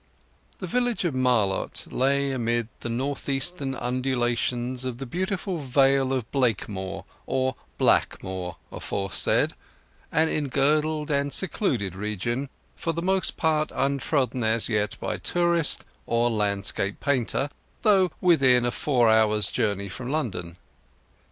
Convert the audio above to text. II The village of Marlott lay amid the north eastern undulations of the beautiful Vale of Blakemore, or Blackmoor, aforesaid, an engirdled and secluded region, for the most part untrodden as yet by tourist or landscape painter, though within a four hours' journey from London.